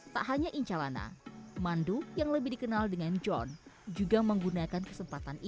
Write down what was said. tak hanya incalana mandu yang lebih dikenal dengan john juga menggunakan kesempatan ini